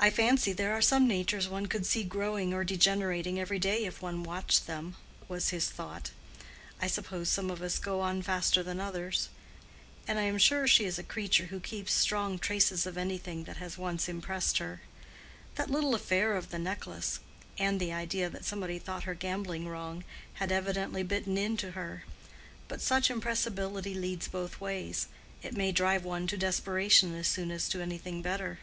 "I fancy there are some natures one could see growing or degenerating every day, if one watched them," was his thought. "I suppose some of us go on faster than others: and I am sure she is a creature who keeps strong traces of anything that has once impressed her. That little affair of the necklace, and the idea that somebody thought her gambling wrong, had evidently bitten into her. But such impressibility leads both ways: it may drive one to desperation as soon as to anything better.